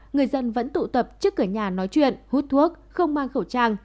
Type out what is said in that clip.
người dân vẫn tụ tập trước cửa nhà nói chuyện hút thuốc không mang khẩu trang